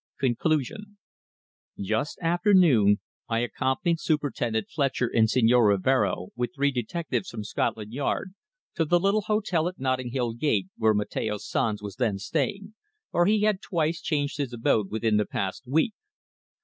CONCLUSION Just after noon I accompanied Superintendent Fletcher and Señor Rivero with three detectives from Scotland Yard to the little hotel at Notting Hill Gate, where Mateo Sanz was then staying, for he had twice changed his abode within the past week.